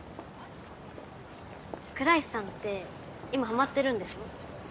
倉石さんって今ハマってるんでしょ？